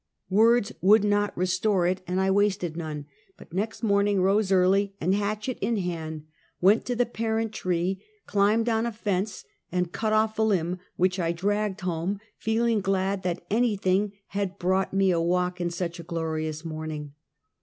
"Words would not restore it, and I wasted none; but next morning rose early, and, hatchet in hand, went to the parent tree, climbed on a fence and cut off a limb, which I dragged home, feel ing glad that anything had brought me a walk on such a glorious morning.